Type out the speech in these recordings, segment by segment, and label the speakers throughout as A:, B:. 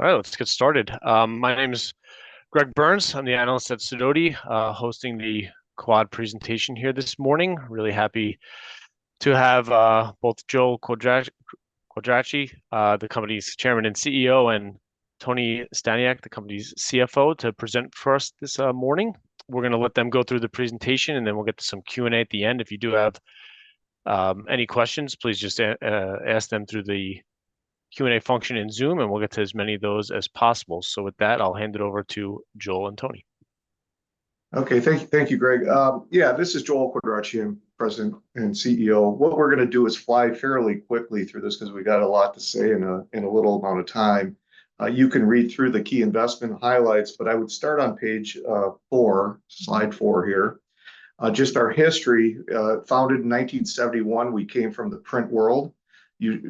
A: All right, let's get started. My name is Greg Burns. I'm the analyst at Sidoti, hosting the Quad presentation here this morning. Really happy to have both Joel Quadracci, the company's Chairman and CEO, and Tony Staniak, the company's CFO, to present for us this morning. We're gonna let them go through the presentation, and then we'll get to some Q&A at the end. If you do have any questions, please just ask them through the Q&A function in Zoom, and we'll get to as many of those as possible. So with that, I'll hand it over to Joel and Tony.
B: Okay. Thank you. Thank you, Greg. Yeah, this is Joel Quadracci, I'm President and CEO. What we're gonna do is fly fairly quickly through this 'cause we got a lot to say in a little amount of time. You can read through the key investment highlights, but I would start on page 4, slide 4 here. Just our history, founded in 1971, we came from the print world.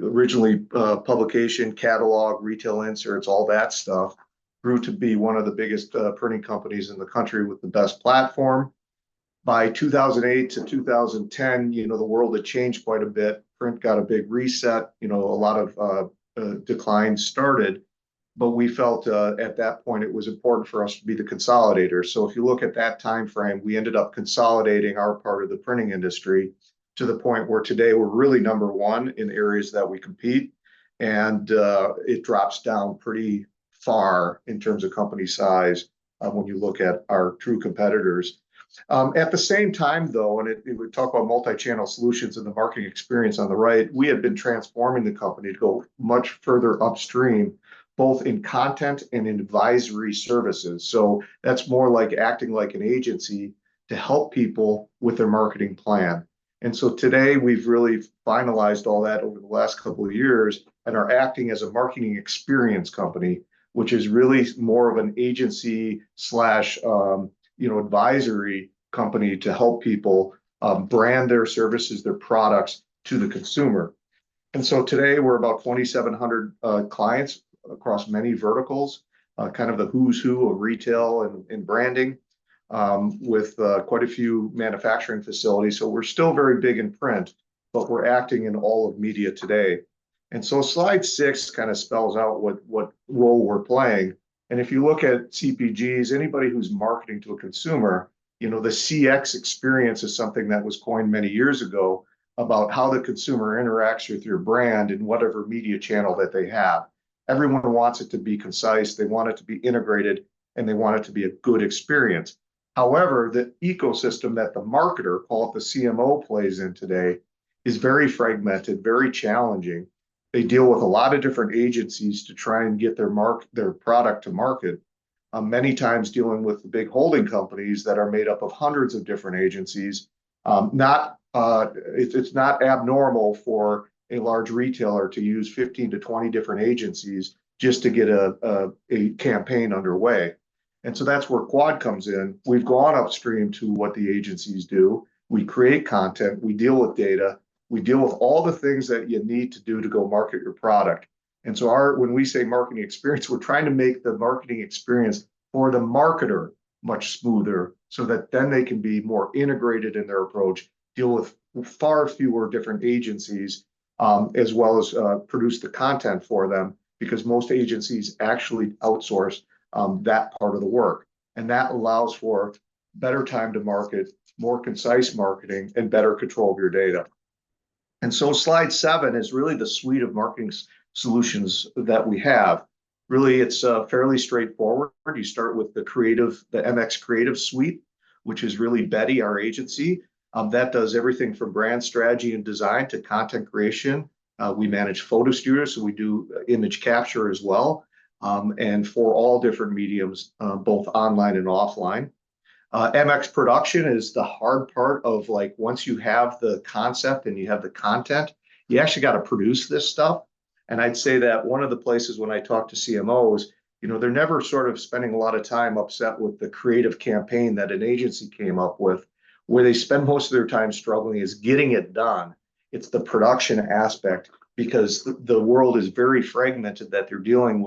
B: Originally, publication, catalog, retail inserts, all that stuff, grew to be one of the biggest printing companies in the country with the best platform. By 2008-2010, you know, the world had changed quite a bit. Print got a big reset, you know, a lot of decline started, but we felt at that point, it was important for us to be the consolidator. So if you look at that time frame, we ended up consolidating our part of the printing industry to the point where today we're really number one in areas that we compete, and it drops down pretty far in terms of company size, when you look at our true competitors. At the same time, though, we talk about multi-channel solutions and the marketing experience on the right, we have been transforming the company to go much further upstream, both in content and in advisory services. So that's more like acting like an agency to help people with their marketing plan. Today, we've really finalized all that over the last couple of years and are acting as a marketing experience company, which is really more of an agency slash, you know, advisory company to help people, brand their services, their products to the consumer. Today, we're about 2,700 clients across many verticals, kind of the who's who of retail and, and branding, with, quite a few manufacturing facilities. We're still very big in print, but we're acting in all of media today. Slide six kind of spells out what role we're playing. If you look at CPGs, anybody who's marketing to a consumer, you know, the CX experience is something that was coined many years ago about how the consumer interacts with your brand in whatever media channel that they have. Everyone wants it to be concise, they want it to be integrated, and they want it to be a good experience. However, the ecosystem that the marketer, call it the CMO, plays in today is very fragmented, very challenging. They deal with a lot of different agencies to try and get their product to market, many times dealing with the big holding companies that are made up of hundreds of different agencies. It's not abnormal for a large retailer to use 15-20 different agencies just to get a campaign underway. And so that's where Quad comes in. We've gone upstream to what the agencies do. We create content, we deal with data, we deal with all the things that you need to do to go market your product. And so when we say marketing experience, we're trying to make the marketing experience for the marketer much smoother, so that then they can be more integrated in their approach, deal with far fewer different agencies, as well as produce the content for them, because most agencies actually outsource that part of the work. And that allows for better time to market, more concise marketing, and better control of your data. And so slide seven is really the suite of marketing solutions that we have. Really, it's fairly straightforward. You start with the creative, the MX Creative Suite, which is really Betty, our agency. That does everything from brand strategy and design to content creation. We manage photo studios, so we do image capture as well, and for all different mediums, both online and offline. MX Production is the hard part of, like, once you have the concept and you have the content, you actually got to produce this stuff. And I'd say that one of the places when I talk to CMOs, you know, they're never sort of spending a lot of time upset with the creative campaign that an agency came up with. Where they spend most of their time struggling is getting it done. It's the production aspect, because the world is very fragmented that they're dealing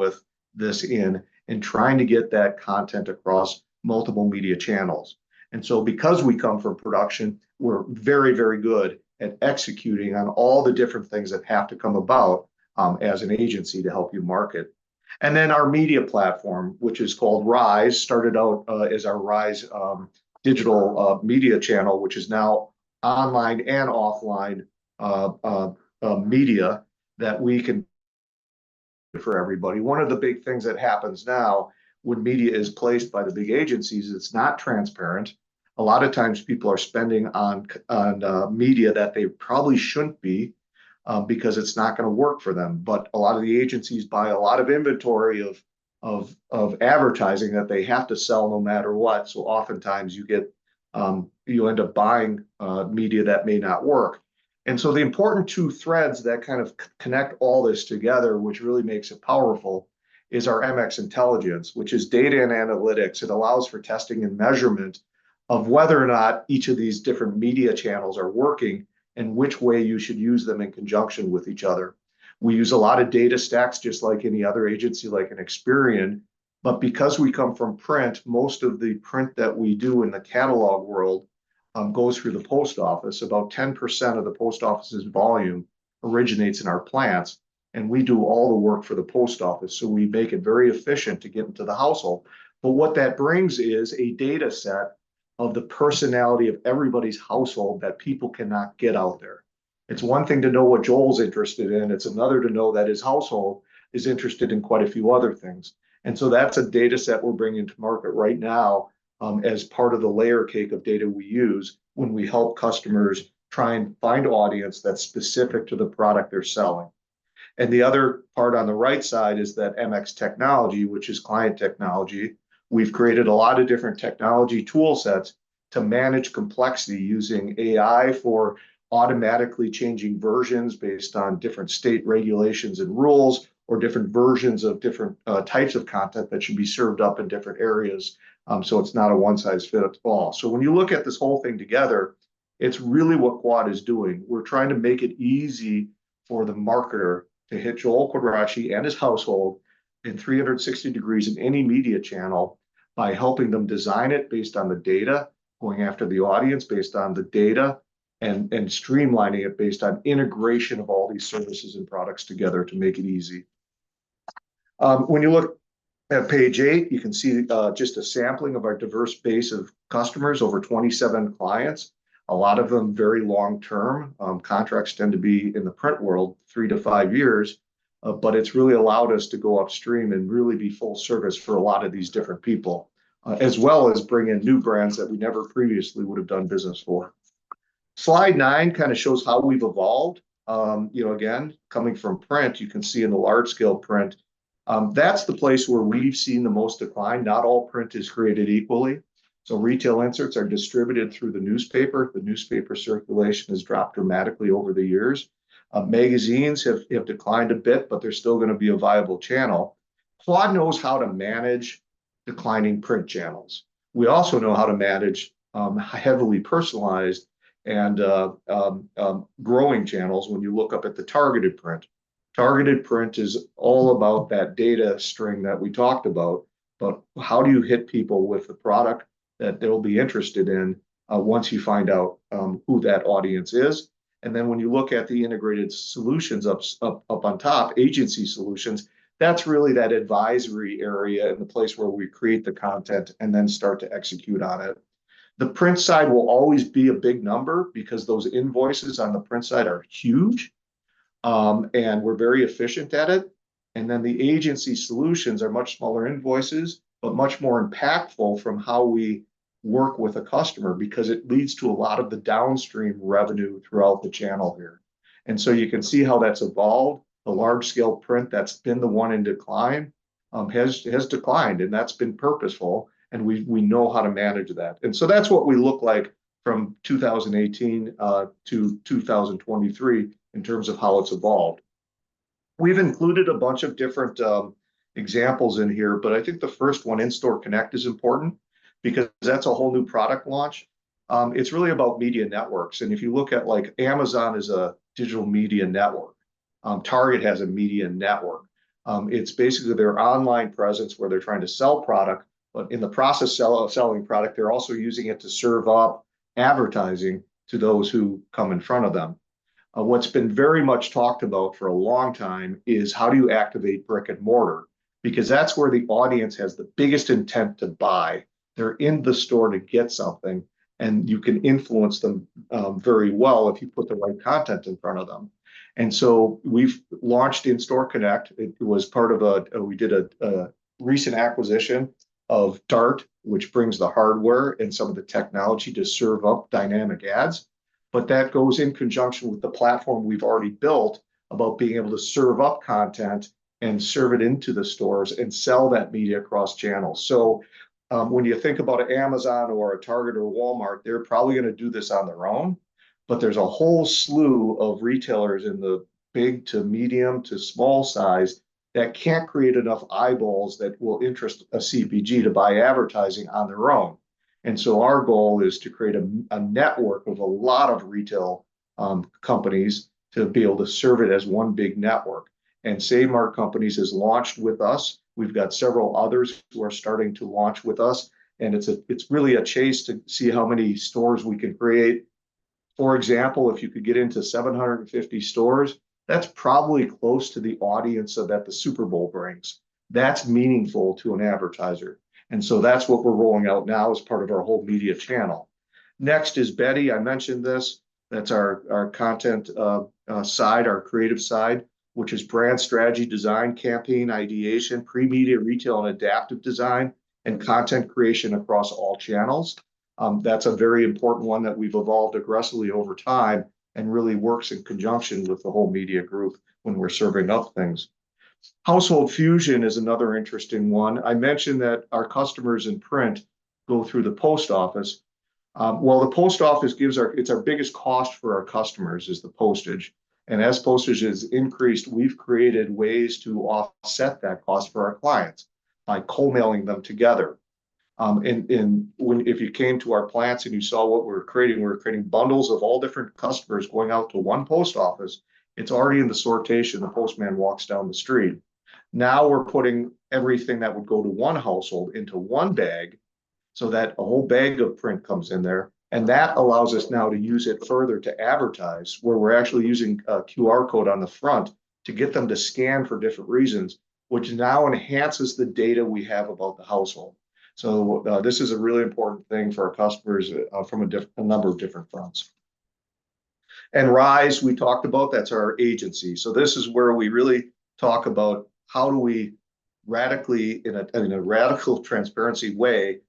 B: with this in, and trying to get that content across multiple media channels. And so because we come from production, we're very, very good at executing on all the different things that have to come about, as an agency to help you market. And then our media platform, which is called Rise, started out as our Rise digital media channel, which is now online and offline media that we can for everybody. One of the big things that happens now, when media is placed by the big agencies, it's not transparent. A lot of times people are spending on media that they probably shouldn't be because it's not gonna work for them. But a lot of the agencies buy a lot of inventory of advertising that they have to sell no matter what. So oftentimes you get you end up buying media that may not work. And so the important two threads that kind of connect all this together, which really makes it powerful, is our MX Intelligence, which is data and analytics. It allows for testing and measurement of whether or not each of these different media channels are working, and which way you should use them in conjunction with each other. We use a lot of data stacks, just like any other agency, like an Experian, but because we come from print, most of the print that we do in the catalog world goes through the post office. About 10% of the post office's volume originates in our plants, and we do all the work for the post office. So we make it very efficient to get into the household. But what that brings is a data set of the personality of everybody's household that people cannot get out there. It's one thing to know what Joel's interested in, it's another to know that his household is interested in quite a few other things. And so that's a data set we're bringing to market right now, as part of the layer cake of data we use when we help customers try and find audience that's specific to the product they're selling. And the other part on the right side is that MX Technology, which is client technology. We've created a lot of different technology tool sets to manage complexity using AI for automatically changing versions based on different state regulations and rules, or different versions of different types of content that should be served up in different areas. So it's not a one-size-fits-all. So when you look at this whole thing together, it's really what Quad is doing. We're trying to make it easy for the marketer to hit Joel Quadracci and his household in 360 degrees in any media channel by helping them design it based on the data, going after the audience based on the data, and, and streamlining it based on integration of all these services and products together to make it easy. When you look at page 8, you can see just a sampling of our diverse base of customers, over 27 clients. A lot of them very long-term. Contracts tend to be, in the print world, 3-5 years. But it's really allowed us to go upstream and really be full service for a lot of these different people, as well as bring in new brands that we never previously would have done business for. Slide 9 kind of shows how we've evolved. You know, again, coming from print, you can see in the large-scale print, that's the place where we've seen the most decline. Not all print is created equally. So retail inserts are distributed through the newspaper. The newspaper circulation has dropped dramatically over the years. Magazines have declined a bit, but they're still gonna be a viable channel. Quad knows how to manage declining print channels. We also know how to manage heavily personalized and growing channels when you look up at the targeted print. Targeted print is all about that data string that we talked about, but how do you hit people with the product that they'll be interested in once you find out who that audience is? When you look at the integrated solutions up, up, up on top, agency solutions, that's really that advisory area and the place where we create the content and then start to execute on it. The print side will always be a big number because those invoices on the print side are huge, and we're very efficient at it. The agency solutions are much smaller invoices, but much more impactful from how we work with a customer because it leads to a lot of the downstream revenue throughout the channel here. You can see how that's evolved. The large-scale print, that's been the one in decline, has declined, and that's been purposeful, and we know how to manage that. That's what we look like from 2018 to 2023 in terms of how it's evolved. We've included a bunch of different examples in here, but I think the first one, In-Store Connect, is important because that's a whole new product launch. It's really about media networks, and if you look at, like, Amazon is a digital media network, Target has a media network. It's basically their online presence where they're trying to sell product, but in the process, selling product, they're also using it to serve up advertising to those who come in front of them. What's been very much talked about for a long time is, how do you activate brick-and-mortar? Because that's where the audience has the biggest intent to buy. They're in the store to get something, and you can influence them very well if you put the right content in front of them. And so we've launched In-Store Connect. It was part of a recent acquisition of DART, which brings the hardware and some of the technology to serve up dynamic ads. But that goes in conjunction with the platform we've already built about being able to serve up content and serve it into the stores and sell that media across channels. So, when you think about Amazon or a Target or a Walmart, they're probably gonna do this on their own, but there's a whole slew of retailers in the big to medium to small size that can't create enough eyeballs that will interest a CPG to buy advertising on their own. And so our goal is to create a network of a lot of retail companies to be able to serve it as one big network. And Save Mart Companies has launched with us. We've got several others who are starting to launch with us, and it's really a chase to see how many stores we can create. For example, if you could get into 750 stores, that's probably close to the audience that the Super Bowl brings. That's meaningful to an advertiser. And so that's what we're rolling out now as part of our whole media channel. Next is Betty. I mentioned this. That's our, our content side, our creative side, which is brand strategy, design, campaign ideation, pre-media, retail, and adaptive design, and content creation across all channels. That's a very important one that we've evolved aggressively over time and really works in conjunction with the whole media group when we're serving up things. Household Fusion is another interesting one. I mentioned that our customers in print go through the post office. Well, the post office gives our... It's our biggest cost for our customers, is the postage. And as postage has increased, we've created ways to offset that cost for our clients by co-mailing them together. And if you came to our plants and you saw what we were creating, we were creating bundles of all different customers going out to one post office. It's already in the sortation. The postman walks down the street. Now we're putting everything that would go to one household into one bag... so that a whole bag of print comes in there, and that allows us now to use it further to advertise, where we're actually using a QR code on the front to get them to scan for different reasons, which now enhances the data we have about the household. So, this is a really important thing for our customers, from a number of different fronts. And Rise, we talked about, that's our agency. So this is where we really talk about how do we radically, in a radical transparency way,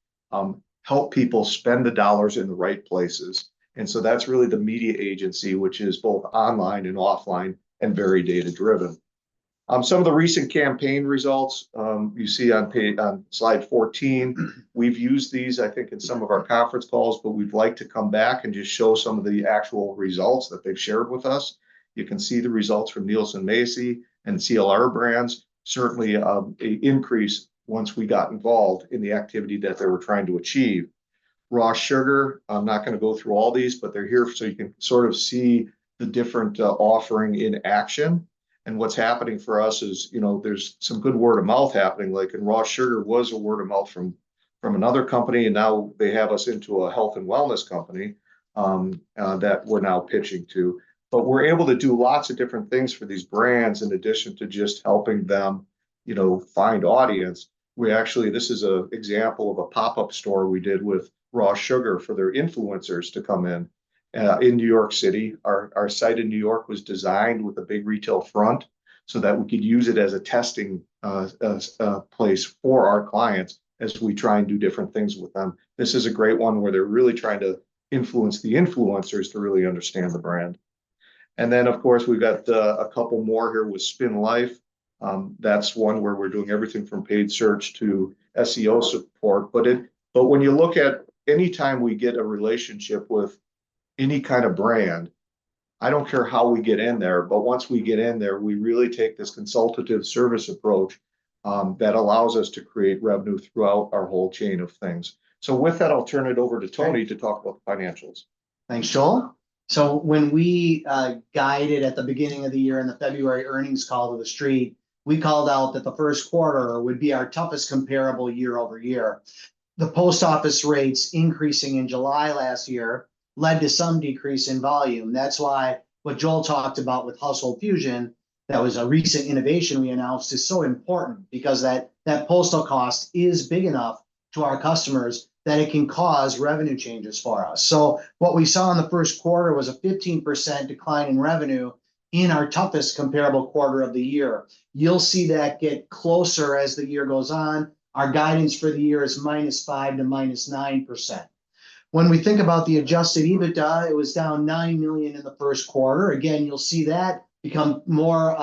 B: help people spend the dollars in the right places? And so that's really the media agency, which is both online and offline, and very data-driven. Some of the recent campaign results you see on page on slide 14. We've used these, I think, in some of our conference calls, but we'd like to come back and just show some of the actual results that they've shared with us. You can see the results from Nielsen-Massey and CLR Brands. Certainly, a increase once we got involved in the activity that they were trying to achieve. Raw Sugar, I'm not gonna go through all these, but they're here, so you can sort of see the different offering in action. And what's happening for us is, you know, there's some good word-of-mouth happening, like Raw Sugar was a word-of-mouth from another company, and now they have us into a health and wellness company that we're now pitching to. But we're able to do lots of different things for these brands in addition to just helping them, you know, find audience. We actually... This is an example of a pop-up store we did with Raw Sugar for their influencers to come in in New York City. Our site in New York was designed with a big retail front so that we could use it as a testing place for our clients as we try and do different things with them. This is a great one, where they're really trying to influence the influencers to really understand the brand. And then, of course, we've got a couple more here with SpinLife. That's one where we're doing everything from paid search to SEO support. But when you look at any time we get a relationship with any kind of brand, I don't care how we get in there, but once we get in there, we really take this consultative service approach that allows us to create revenue throughout our whole chain of things. So with that, I'll turn it over to Tony to talk about the financials.
C: Thanks, Joel. So when we guided at the beginning of the year in the February earnings call to the street, we called out that the first quarter would be our toughest comparable year-over-year. The post office rates increasing in July last year led to some decrease in volume. That's why what Joel talked about with Household Fusion, that was a recent innovation we announced, is so important, because that, that postal cost is big enough to our customers that it can cause revenue changes for us. So what we saw in the first quarter was a 15% decline in revenue in our toughest comparable quarter of the year. You'll see that get closer as the year goes on. Our guidance for the year is -5% to -9%. When we think about the adjusted EBITDA, it was down $9 million in the first quarter. Again, you'll see that become more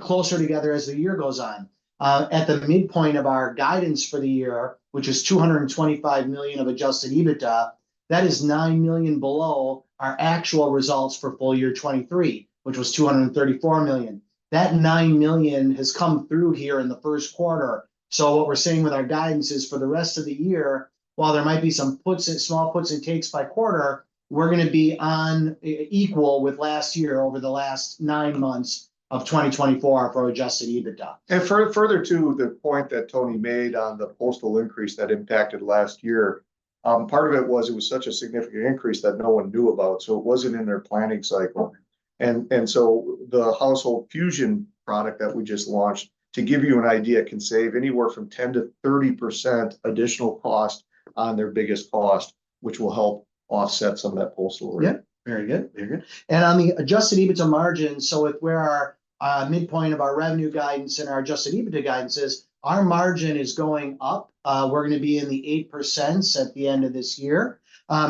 C: closer together as the year goes on. At the midpoint of our guidance for the year, which is $225 million of adjusted EBITDA, that is $9 million below our actual results for full year 2023, which was $234 million. That $9 million has come through here in the first quarter. So what we're saying with our guidance is, for the rest of the year, while there might be some puts and small puts and takes by quarter, we're gonna be on equal with last year over the last nine months of 2024 for adjusted EBITDA.
B: Further to the point that Tony made on the postal increase that impacted last year, part of it was, it was such a significant increase that no one knew about, so it wasn't in their planning cycle. So the Household Fusion product that we just launched, to give you an idea, can save anywhere from 10%-30% additional cost on their biggest cost, which will help offset some of that postal rate.
C: Yeah. Very good, very good. And on the adjusted EBITDA margin, so with where our midpoint of our revenue guidance and our adjusted EBITDA guidance is, our margin is going up. We're gonna be in the 8% at the end of this year.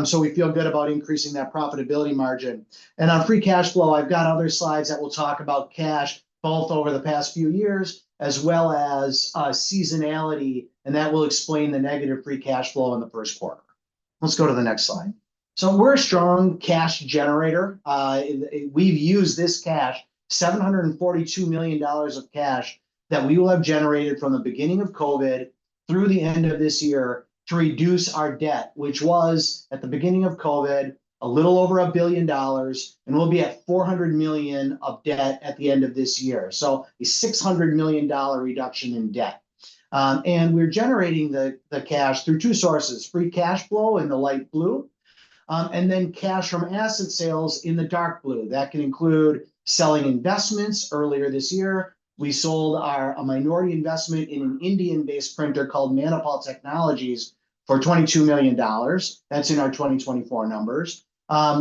C: So we feel good about increasing that profitability margin. And on free cash flow, I've got other slides that will talk about cash, both over the past few years, as well as seasonality, and that will explain the negative free cash flow in the first quarter. Let's go to the next slide. So we're a strong cash generator. We've used this cash, $742 million of cash, that we will have generated from the beginning of COVID through the end of this year, to reduce our debt, which was, at the beginning of COVID, a little over $1 billion, and we'll be at $400 million of debt at the end of this year, so a $600 million reduction in debt. And we're generating the cash through two sources: free cash flow in the light blue, and then cash from asset sales in the dark blue. That can include selling investments. Earlier this year, we sold our a minority investment in an Indian-based printer called Manipal Technologies for $22 million. That's in our 2024 numbers.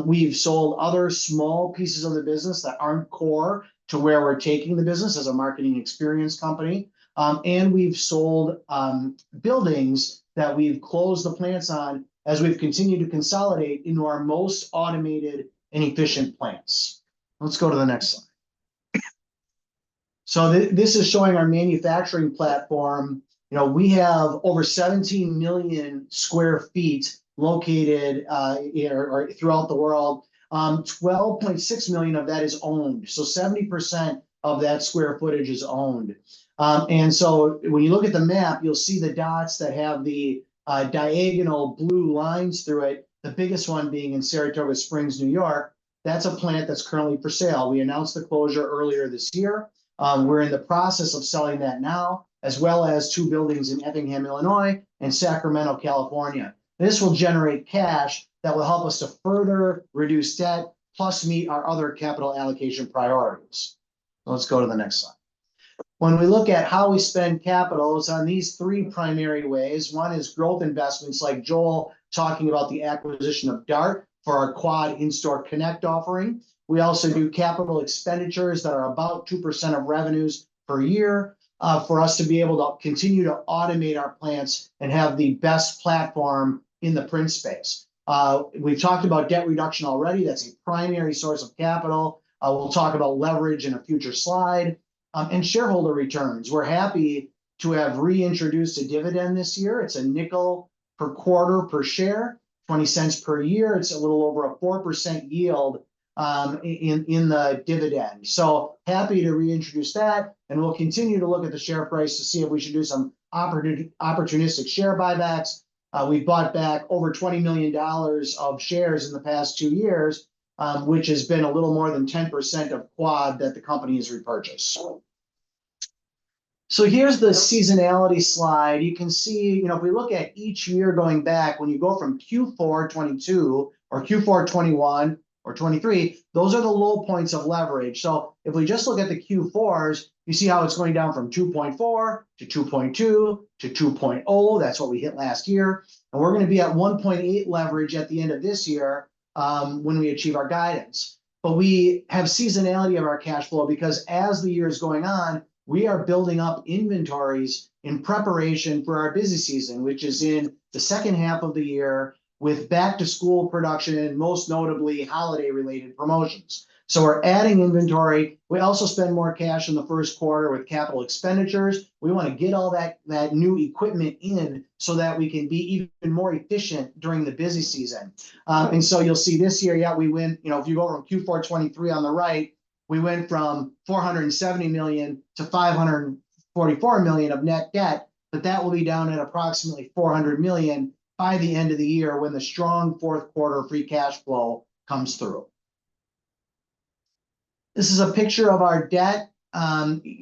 C: We've sold other small pieces of the business that aren't core to where we're taking the business as a marketing experience company, and we've sold buildings that we've closed the plants on as we've continued to consolidate into our most automated and efficient plants. Let's go to the next slide. So this is showing our manufacturing platform. You know, we have over 17 million sq ft located throughout the world. 12.6 million of that is owned, so 70% of that square footage is owned. And so when you look at the map, you'll see the dots that have the diagonal blue lines through it, the biggest one being in Saratoga Springs, New York. That's a plant that's currently for sale. We announced the closure earlier this year. We're in the process of selling that now, as well as two buildings in Effingham, Illinois, and Sacramento, California. This will generate cash that will help us to further reduce debt, plus meet our other capital allocation priorities. Let's go to the next slide. When we look at how we spend capital, it's on these three primary ways. One is growth investments, like Joel talking about the acquisition of Dart for our Quad In-Store Connect offering. We also do capital expenditures that are about 2% of revenues per year, for us to be able to continue to automate our plants and have the best platform in the print space. We've talked about debt reduction already. That's a primary source of capital. We'll talk about leverage in a future slide. And shareholder returns, we're happy to have reintroduced a dividend this year. It's $0.05 per quarter per share, $0.20 per year. It's a little over 4% yield in the dividend. So happy to reintroduce that, and we'll continue to look at the share price to see if we should do some opportunistic share buybacks. We've bought back over $20 million of shares in the past 2 years, which has been a little more than 10% of Quad that the company has repurchased. So here's the seasonality slide. You can see, you know, if we look at each year going back, when you go from Q4 2022 or Q4 2021 or 2023, those are the low points of leverage. So if we just look at the Q4s, you see how it's going down from 2.4 to 2.2 to 2.0. That's what we hit last year, and we're gonna be at 1.8 leverage at the end of this year, when we achieve our guidance. But we have seasonality of our cash flow because as the year is going on, we are building up inventories in preparation for our busy season, which is in the second half of the year, with back-to-school production and, most notably, holiday-related promotions. So we're adding inventory. We also spend more cash in the first quarter with capital expenditures. We wanna get all that new equipment in so that we can be even more efficient during the busy season. And so you'll see this year, yeah, we went... You know, if you go from Q4 2023 on the right, we went from $470 million to $544 million of net debt, but that will be down at approximately $400 million by the end of the year when the strong fourth quarter free cash flow comes through. This is a picture of our debt.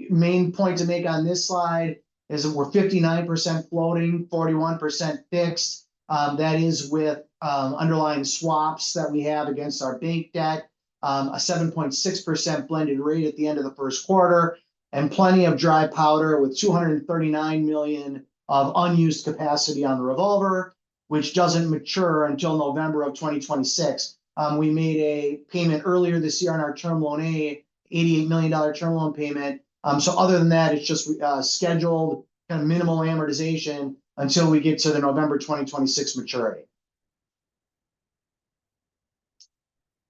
C: Main point to make on this slide is that we're 59% floating, 41% fixed. That is with underlying swaps that we have against our bank debt, a 7.6% blended rate at the end of the first quarter, and plenty of dry powder, with $239 million of unused capacity on the revolver, which doesn't mature until November of 2026. We made a payment earlier this year on our term loan A, $88 million term loan payment. So other than that, it's just scheduled, kind of minimal amortization until we get to the November 2026 maturity.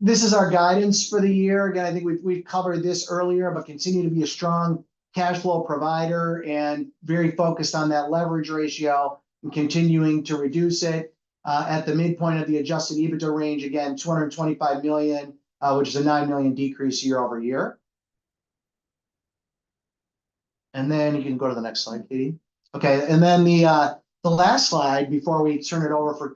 C: This is our guidance for the year. Again, I think we've covered this earlier, but continue to be a strong cash flow provider and very focused on that leverage ratio and continuing to reduce it. At the midpoint of the adjusted EBITDA range, again, $225 million, which is a $9 million decrease year-over-year. And then you can go to the next slide, Katie. Okay, and then the last slide before we turn it over for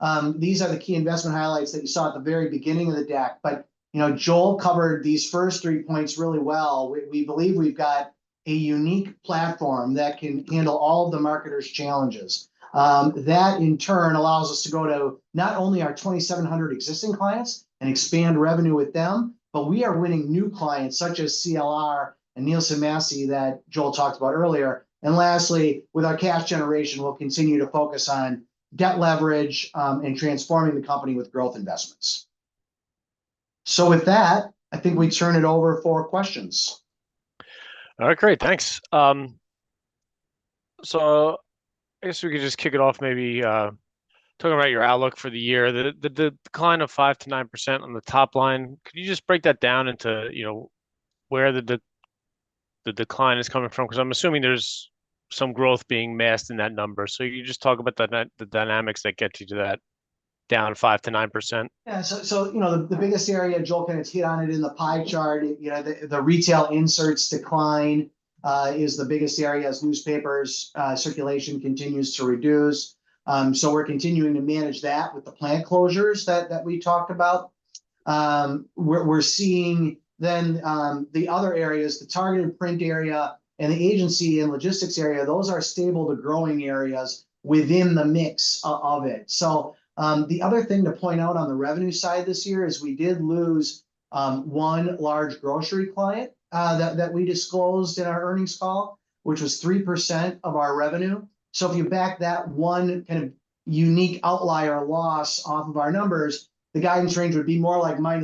C: Q&A, these are the key investment highlights that you saw at the very beginning of the deck. But, you know, Joel covered these first three points really well. We believe we've got a unique platform that can handle all of the marketers' challenges. That, in turn, allows us to go to not only our 2,700 existing clients and expand revenue with them, but we are winning new clients, such as CLR and Nielsen-Massey, that Joel talked about earlier. And lastly, with our cash generation, we'll continue to focus on debt leverage, and transforming the company with growth investments. So with that, I think we turn it over for questions.
A: All right. Great. Thanks. So I guess we could just kick it off maybe, talking about your outlook for the year. The decline of 5%-9% on the top line, could you just break that down into, you know, where the decline is coming from? 'Cause I'm assuming there's some growth being masked in that number. So can you just talk about the dynamics that get you to that down 5%-9%?
C: Yeah, so you know, the biggest area, Joel kind of hit on it in the pie chart, you know, the retail inserts decline is the biggest area as newspapers circulation continues to reduce. So we're continuing to manage that with the plant closures that we talked about. We're seeing then the other areas, the targeted print area and the agency and logistics area, those are stable to growing areas within the mix of it. So the other thing to point out on the revenue side this year is we did lose one large grocery client that we disclosed in our earnings call, which was 3% of our revenue. So if you back that one kind of unique outlier loss off of our numbers, the guidance range would be more like -2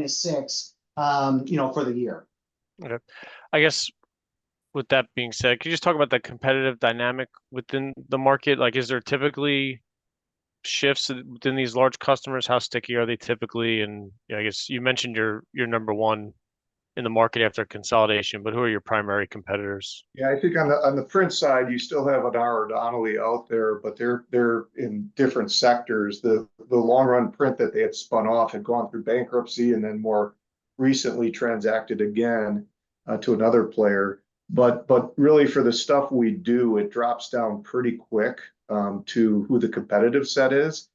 C: to -6, you know, for the year.
A: Okay. I guess with that being said, could you just talk about the competitive dynamic within the market? Like, is there typically shifts within these large customers? How sticky are they typically? And, you know, I guess you mentioned you're number one in the market after consolidation, but who are your primary competitors?
B: Yeah, I think on the print side, you still have an RR Donnelley out there, but they're in different sectors. The long-run print that they had spun off had gone through bankruptcy, and then more recently transacted again to another player. But really for the stuff we do, it drops down pretty quick to who the competitive set is,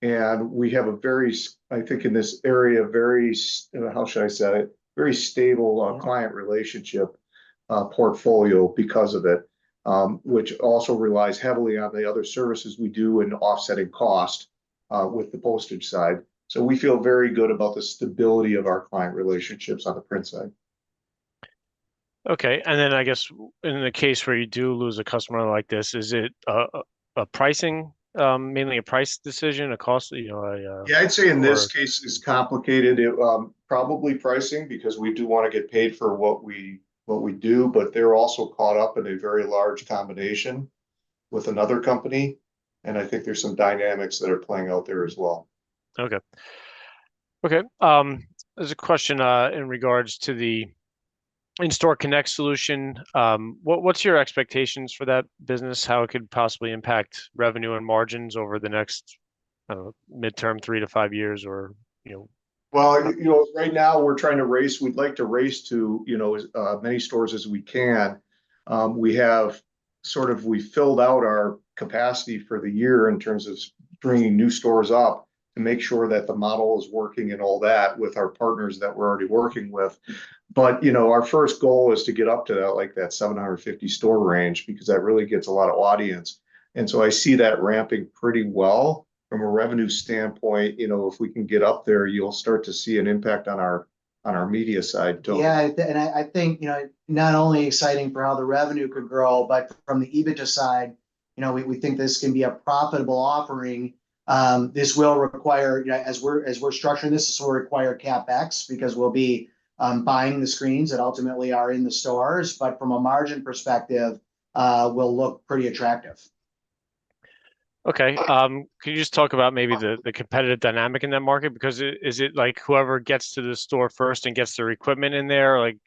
B: and we have a very stable. I think in this area, very stable. How should I say it? Very stable-
A: Mm...
B: client relationship portfolio because of it. Which also relies heavily on the other services we do in offsetting cost with the postage side. So we feel very good about the stability of our client relationships on the print side.
A: Okay, and then I guess in the case where you do lose a customer like this, is it a pricing, mainly a price decision, a cost, you know, a?
B: Yeah, I'd say-
A: or-...
B: in this case, it's complicated. It, probably pricing, because we do wanna get paid for what we, what we do, but they're also caught up in a very large combination with another company, and I think there's some dynamics that are playing out there as well.
A: Okay. Okay, there's a question in regards to the In-Store Connect solution. What's your expectations for that business, how it could possibly impact revenue and margins over the next midterm three to five years, or, you know?
B: Well, you know, right now we're trying to raise... We'd like to raise to, you know, as, many stores as we can. We have sort of filled out our capacity for the year in terms of bringing new stores up, to make sure that the model is working and all that with our partners that we're already working with. But, you know, our first goal is to get up to that, like, that 750 store range, because that really gets a lot of audience. And so I see that ramping pretty well from a revenue standpoint. You know, if we can get up there, you'll start to see an impact on our, on our media side, too.
C: Yeah, and I think, you know, not only exciting for how the revenue could grow, but from the EBITDA side, you know, we think this can be a profitable offering. This will require CapEx, because we'll be buying the screens that ultimately are in the stores. But from a margin perspective, will look pretty attractive.
A: Okay, can you just talk about maybe the-
C: Of-
A: ...the competitive dynamic in that market? Because it... Is it like whoever gets to the store first and gets their equipment in there, like,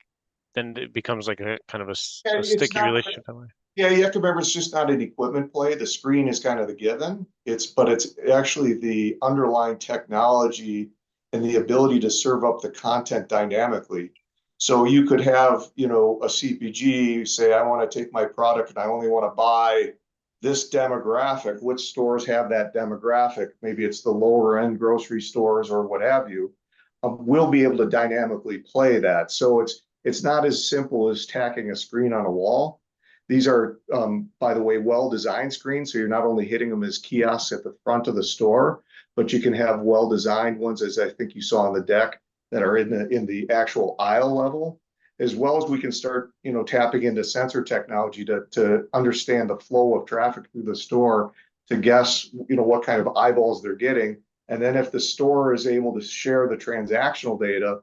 A: then it becomes like a, kind of a s-
C: Yeah, because it's not-
A: a sticky relationship that way?
B: Yeah, you have to remember it's just not an equipment play. The screen is kind of the given. It's. But it's actually the underlying technology and the ability to serve up the content dynamically. So you could have, you know, a CPG say, "I wanna take my product and I only wanna buy this demographic. Which stores have that demographic?" Maybe it's the lower-end grocery stores or what have you. We'll be able to dynamically play that. So it's not as simple as tacking a screen on a wall. These are, by the way, well-designed screens, so you're not only hitting them as kiosks at the front of the store, but you can have well-designed ones, as I think you saw on the deck, that are in the actual aisle level. As well as we can start, you know, tapping into sensor technology to understand the flow of traffic through the store, to guess, you know, what kind of eyeballs they're getting. And then if the store is able to share the transactional data,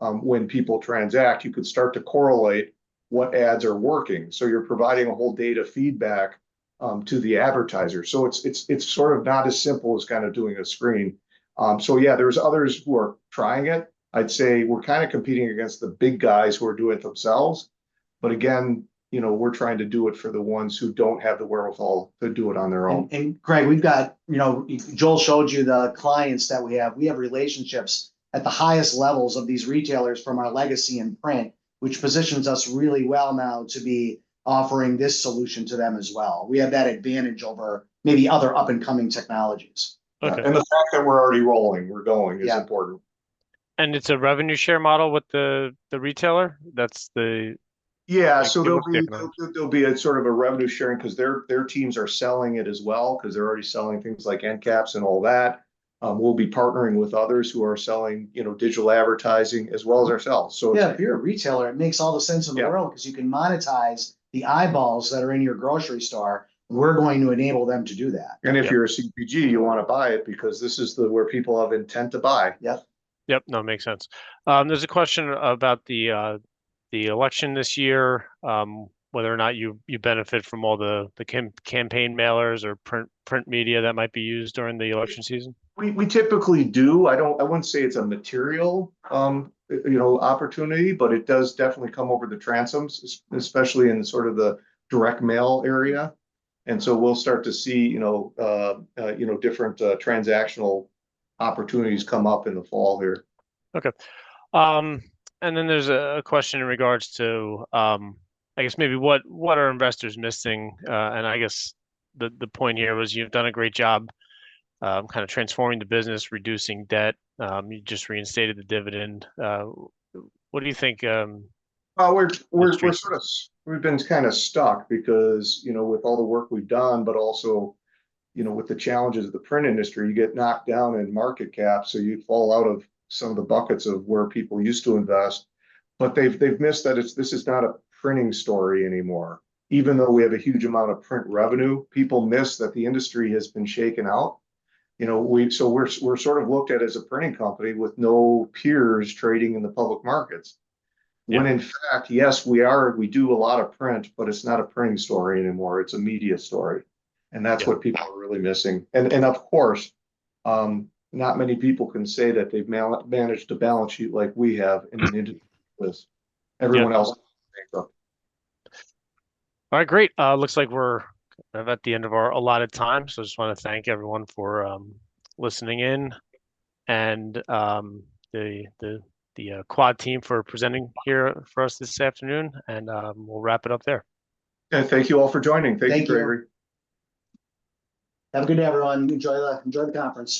B: when people transact, you can start to correlate what ads are working. So you're providing a whole data feedback to the advertiser. So it's sort of not as simple as kind of doing a screen. So yeah, there's others who are trying it. I'd say we're kind of competing against the big guys who are doing it themselves, but again, you know, we're trying to do it for the ones who don't have the wherewithal to do it on their own.
C: And Greg, we've got, you know, if Joel showed you the clients that we have. We have relationships at the highest levels of these retailers from our legacy in print, which positions us really well now to be offering this solution to them as well. We have that advantage over maybe other up-and-coming technologies.
A: Okay.
B: And the fact that we're already rolling, we're going-
C: Yeah...
B: is important.
A: It's a revenue share model with the retailer? That's the-
B: Yeah, so there'll be-
A: Okay, then....
B: there'll be a sort of a revenue sharing, 'cause their teams are selling it as well, 'cause they're already selling things like end caps and all that. We'll be partnering with others who are selling, you know, digital advertising, as well as ourselves. So-
C: Yeah, if you're a retailer, it makes all the sense in the world-
B: Yeah...
C: 'cause you can monetize the eyeballs that are in your grocery store. We're going to enable them to do that.
B: And if you're a CPG, you wanna buy it, because this is where people have intent to buy.
C: Yep.
A: Yep, no, it makes sense. There's a question about the election this year, whether or not you benefit from all the campaign mailers or print media that might be used during the election season.
B: We, we typically do. I don't... I wouldn't say it's a material, you know, opportunity, but it does definitely come over the transoms, especially in sort of the direct mail area. And so we'll start to see, you know, different, transactional opportunities come up in the fall here.
A: Okay. And then there's a question in regards to, I guess maybe what are investors missing? And I guess the point here was you've done a great job kind of transforming the business, reducing debt. You just reinstated the dividend. What do you think, next steps-
B: Well, we're sort of stuck because, you know, with all the work we've done, but also, you know, with the challenges of the print industry, you get knocked down in market cap, so you fall out of some of the buckets of where people used to invest. But they've missed that it's... this is not a printing story anymore. Even though we have a huge amount of print revenue, people miss that the industry has been shaken out. You know, so we're sort of looked at as a printing company with no peers trading in the public markets.
A: Yeah.
B: When, in fact, yes, we are, we do a lot of print, but it's not a printing story anymore, it's a media story.
A: Yeah.
B: And that's what people are really missing. And of course, not many people can say that they've managed a balance sheet like we have in an industry like this.
A: Yeah.
B: Everyone else, so.
A: All right, great. Looks like we're kind of at the end of our allotted time, so I just wanna thank everyone for listening in, and the Quad team for presenting here for us this afternoon, and we'll wrap it up there.
B: Thank you all for joining.
C: Thank you.
B: Thank you, everyone.
C: Have a good day, everyone. You enjoy, enjoy the conference.